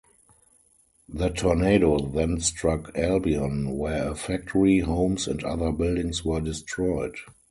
The tornado then struck Albion, where a factory, homes, and other buildings were destroyed.